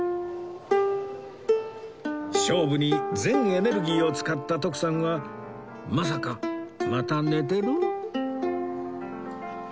勝負に全エネルギーを使った徳さんはまさかまた寝てる？